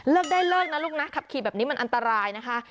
ได้เลิกนะลูกนะขับขี่แบบนี้มันอันตรายนะคะ